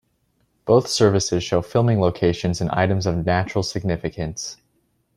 Both services show filming locations and items of natural significance.